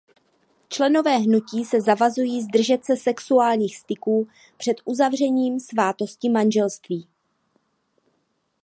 Členové hnutí se zavazují zdržet se sexuálních styků před uzavřením svátosti manželství.